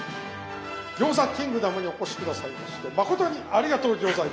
餃子キングダムにお越し下さいましてまことにありがとうギョーザいます！